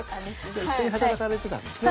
じゃあ一緒に働かれてたんですね。